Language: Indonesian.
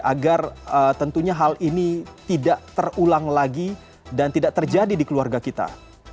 agar tentunya hal ini tidak terulang lagi dan tidak terjadi di keluarga kita